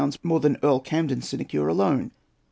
more than Earl Camden's sinecure alone!